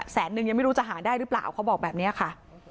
แสนนึงยังไม่รู้จะหาได้หรือเปล่าเขาบอกแบบนี้ค่ะ